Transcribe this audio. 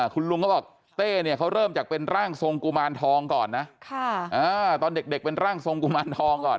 คุณลุงเขาบอกเต้เนี่ยเขาเริ่มจากเป็นร่างทรงกุมารทองก่อนนะตอนเด็กเป็นร่างทรงกุมารทองก่อน